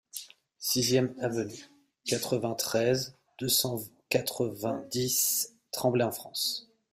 Sixième Avenue, quatre-vingt-treize, deux cent quatre-vingt-dix Tremblay-en-France